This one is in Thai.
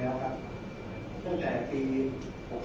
แต่ว่าไม่มีปรากฏว่าถ้าเกิดคนให้ยาที่๓๑